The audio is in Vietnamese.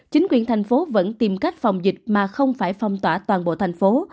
chính quyền thành phố vẫn tìm cách phòng dịch mà không phải phong tỏa toàn bộ thành phố